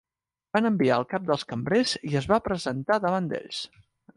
Van enviar el cap dels cambrers i es va presentar davant d'ells.